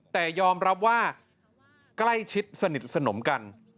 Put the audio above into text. แต่ยอมรับว่าใกล้ชิดสนิทสนมกัน